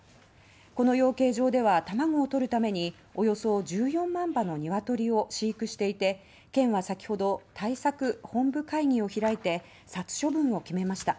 この養鶏場では卵をとるためにおよそ１４万羽のニワトリを飼育していて県は先ほど対策本部会議を開いて殺処分を決めました。